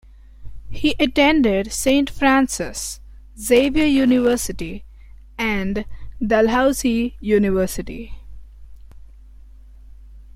He attended Saint Francis Xavier University and Dalhousie University.